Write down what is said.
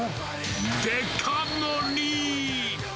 デカ盛り！